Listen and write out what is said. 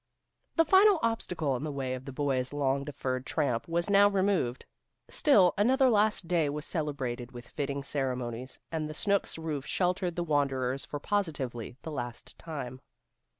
The final obstacle in the way of the boys' long deferred tramp was now removed. Still another last day was celebrated with fitting ceremonies, and the Snooks' roof sheltered the wanderers for positively the last time.